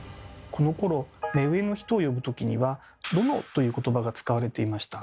このころ目上の人を呼ぶときには「殿」ということばが使われていました。